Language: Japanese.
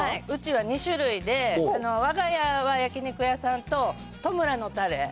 うちは２種類で、わが家は焼肉屋さんと、戸村のたれ。